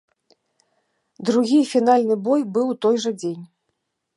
Другі і фінальны бой быў у той жа дзень.